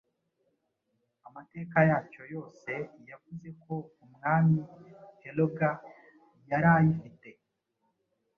Amateka yacyo yoseyavuze ko Umwami Heregar yari ayifite